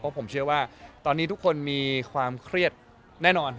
เพราะผมเชื่อว่าตอนนี้ทุกคนมีความเครียดแน่นอน